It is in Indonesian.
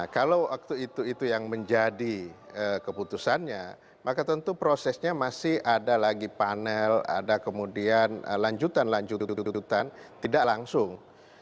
kalau waktu itu itu yang menjadi keputusannya maka tentu prosesnya masih ada lagi panel ada kemudian lanjutan lanjutan tidak langsung